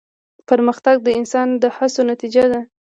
پرمختګ د انسان د هڅو نتیجه ده.